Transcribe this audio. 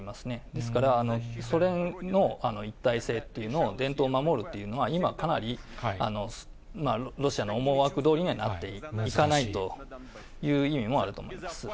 ですから、ソ連の一体性というのを、伝統を守るというのは、今、かなりロシアの思惑どおりにはなっていかないという意味もあると思います。